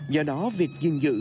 do đó vịt duyên dữ